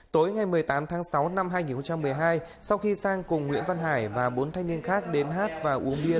tối ngày một mươi tám tháng sáu năm hai nghìn một mươi hai sau khi sang cùng nguyễn văn hải và bốn thanh niên khác đến hát và uống bia